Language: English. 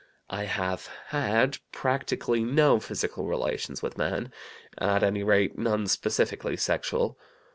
"I have had practically no physical relations with men; at any rate, none specifically sexual.